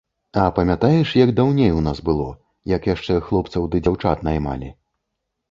А памятаеш, як даўней у нас было, як яшчэ хлопцаў ды дзяўчат наймалі?